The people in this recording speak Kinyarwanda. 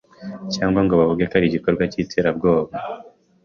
cg ngo bavuge ko ari igikorwa cy’iterabwoba ,